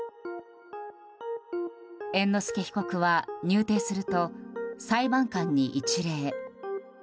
猿之助被告は入廷すると裁判官に一礼。